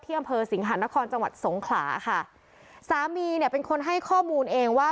อำเภอสิงหานครจังหวัดสงขลาค่ะสามีเนี่ยเป็นคนให้ข้อมูลเองว่า